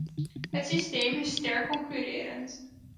Het systeem is sterk concurrerend.